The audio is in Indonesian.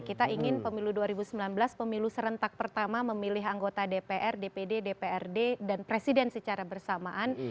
kita ingin pemilu dua ribu sembilan belas pemilu serentak pertama memilih anggota dpr dpd dprd dan presiden secara bersamaan